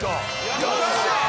よっしゃー！